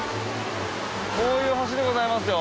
こういう橋でございますよ